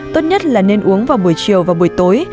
tốt nhất là nên uống vào buổi chiều và buổi tối